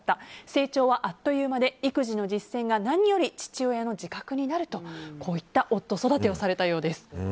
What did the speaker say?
成長はあっという間で育児の実践が何より父親の自覚になると夫育てをされたようです。